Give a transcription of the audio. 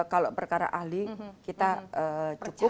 kalau perkara ahli kita jujur